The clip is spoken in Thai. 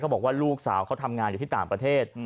บอกว่าลูกสาวเขาทำงานอยู่ที่ต่างประเทศ